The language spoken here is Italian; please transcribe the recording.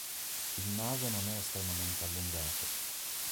Il naso non è estremamente allungato.